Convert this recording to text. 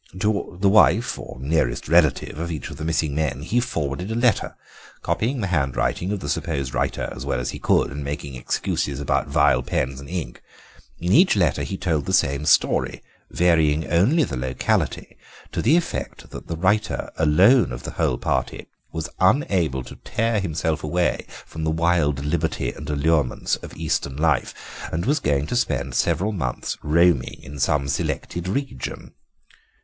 To the wife or nearest relative of each of the missing men he forwarded a letter, copying the handwriting of the supposed writer as well as he could, and making excuses about vile pens and ink; in each letter he told the same story, varying only the locality, to the effect that the writer, alone of the whole party, was unable to tear himself away from the wild liberty and allurements of Eastern life, and was going to spend several months roaming in some selected region.